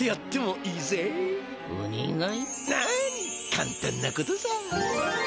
なにかんたんなことさ！